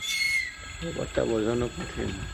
ব্যাপারটা বোঝানো কঠিন।